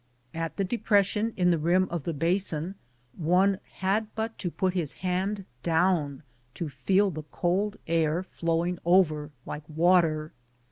At the depression in the rim of the basin one had but to put his hand down to feel the cold air flowing over like water.